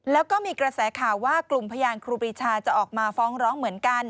แล้วก็มีกระแสข่าวว่ากลุ่มพยานครูปรีชาจะออกมาฟ้องร้องเหมือนกัน